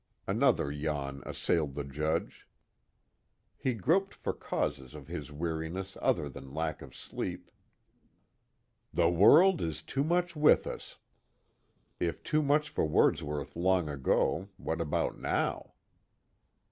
Another yawn assailed the Judge. He groped for causes of his weariness other than lack of sleep. "The world is too much with us " if too much for Wordsworth long ago, what about now?